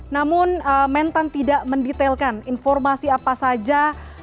namun mentan tidak mendetailkan informasi apa saja